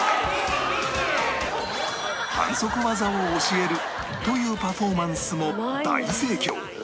反則技を教えるというパフォーマンスも大盛況